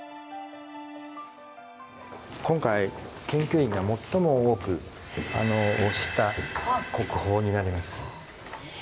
今回研究員が最も多く推した国宝になります。